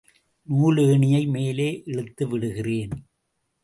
நூலேணியை மேலே இழுத்துவிடுகிறேன்.